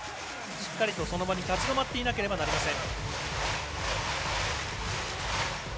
しっかりとその場に立ち止まっていなければいけません。